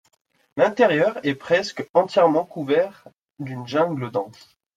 L'intérieur est presque entièrement couvert d'une jungle dense.